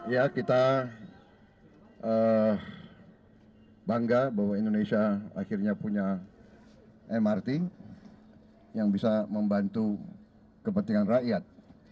ya kita bangga bahwa indonesia akhirnya punya mrt yang bisa membantu kepentingan rakyat